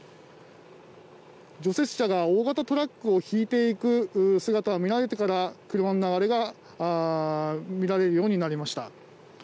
除雪車が大型トラックを引いていく姿が見られてから車の流れが見られるようになりました。